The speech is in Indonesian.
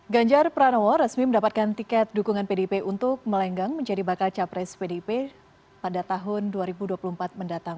ganjar pranowo resmi mendapatkan tiket dukungan pdip untuk melenggang menjadi bakal capres pdip pada tahun dua ribu dua puluh empat mendatang